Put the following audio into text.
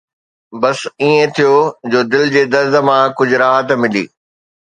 بس ائين ٿيو جو دل جي درد مان ڪجهه راحت ملي